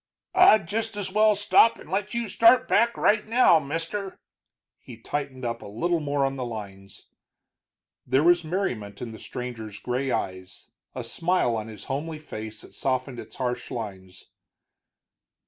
"I'd just as well stop and let you start back right now, mister." He tightened up a little more on the lines. There was merriment in the stranger's gray eyes, a smile on his homely face that softened its harsh lines.